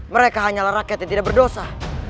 mereka hanyalah rakyat yang tidak berdosa